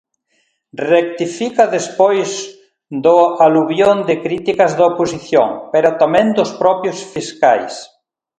Rectifica despois do aluvión de críticas da oposición, pero tamén dos propios fiscais.